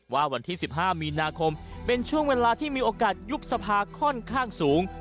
วันที่๑๕มีนาคมเป็นช่วงเวลาที่มีโอกาสยุบสภาค่อนข้างสูง